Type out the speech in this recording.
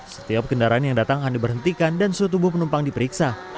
setiap kendaraan yang datang hanya berhentikan dan suatu buah penumpang diperiksa